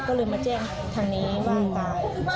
ก็เลยมาแจ้งทางนี้ว่าตาย